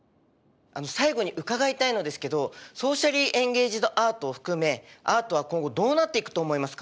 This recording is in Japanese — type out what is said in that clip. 最後に伺いたいのですけどソーシャリー・エンゲイジド・アートを含めアートは今後どうなっていくと思いますか？